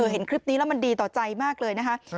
เห็นคลิปนี้แล้วมันดีต่อใจมากเลยนะคะ